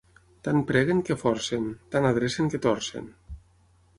Tant preguen, que forcen; tant adrecen, que torcen.